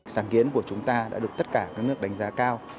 sáng kiến của chúng ta đã được tất cả các nước đánh giá cao